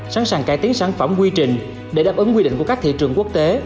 sẵn sàng cải tiến sản phẩm quy trình để đáp ứng quy định của các thị trường quốc tế